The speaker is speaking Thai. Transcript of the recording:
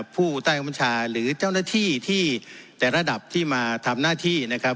ผู้ใต้บังคับบัญชาหรือเจ้าหน้าที่ที่แต่ระดับที่มาทำหน้าที่นะครับ